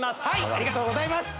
ありがとうございます！